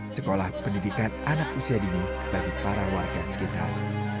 sekolah pendidikan anak usia dini bagi para warga sekitar